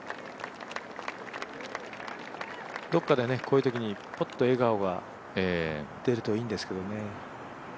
どこかでこういうときにポッと笑顔が出るといいんですけど。